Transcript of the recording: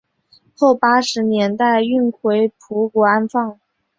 后八十年代运回葡国安放。